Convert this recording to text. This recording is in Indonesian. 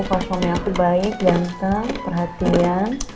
kalau suami aku baik ganteng perhatian